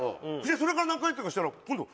それから何か月かしたら今度。